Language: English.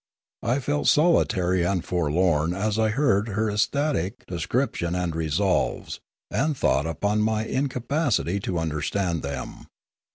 I felt solitary and forlorn as I heard her ecstatic descrip tions and resolves, and thought upon my incapacity to understand them.